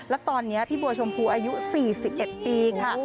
แล้วตอนนี้พี่บัวชมพูอายุ๔๑ปีค่ะ